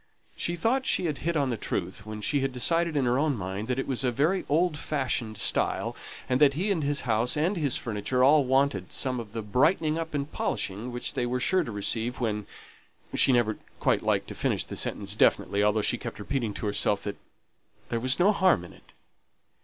She thought she had hit on the truth when she decided in her own mind that it was a very old fashioned style, and that he and his house and his furniture all wanted some of the brightening up and polishing which they were sure to receive, when she never quite liked to finish the sentence definitely, although she kept repeating to herself that "there was no harm in it."